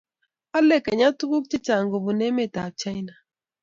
ale kenya tuguk chechak kobun emet ab china